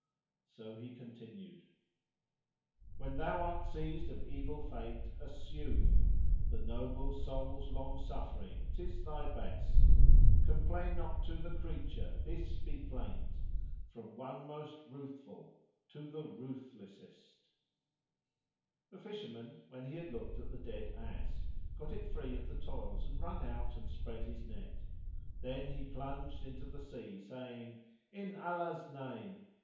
So he continued:— When thou art seized of Evil Fate, assume * The noble soul's long suffering: 'tis thy best: Complain not to the creature; this be plaint * From one most Ruthful to the ruthlessest. The Fisherman, when he had looked at the dead ass, got it free of the toils and wrung out and spread his net; then he plunged into the sea, saying, "In Allah's name!"